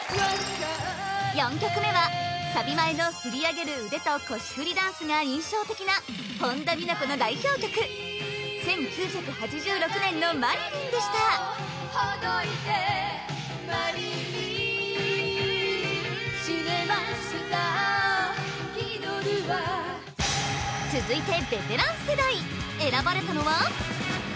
４曲目はサビ前の振り上げる腕と腰フリダンスが印象的な本田美奈子．の代表曲「１９８６年のマリリン」でした続いてベテラン世代選ばれたのは？